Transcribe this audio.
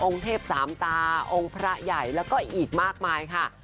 เทพสามตาองค์พระใหญ่แล้วก็อีกมากมายค่ะ